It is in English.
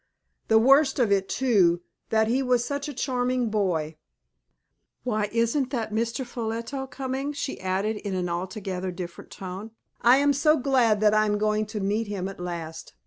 The worst of it, too, that he was such a charming boy. Why, isn't that Mr. Ffolliot coming?" she added, in an altogether different tone. "I am so glad that I am going to meet him at last."